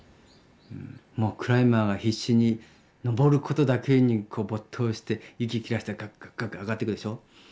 クライマーが必死に登ることだけに没頭して息を切らしてガッガッガッガッ上がっていくでしょう。